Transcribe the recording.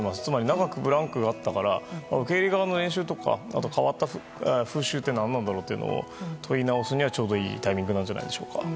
長くブランクがあったから受け入れ側の練習とかあと、変わった風習は何だろうというのを問い直すにはちょうどいいタイミングじゃないでしょうか。